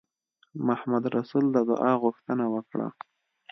محمدرسول د دعا غوښتنه وکړه.